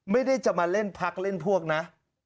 ไม่ได้จะมาเล่นพักเล่นพวกนะ